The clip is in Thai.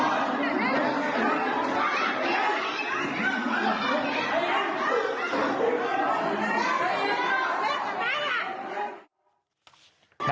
นาทีความชื่อละมุมวุ่นวายที่เกิดขึ้นครับ